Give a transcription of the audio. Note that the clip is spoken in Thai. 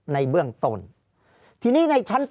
ภารกิจสรรค์ภารกิจสรรค์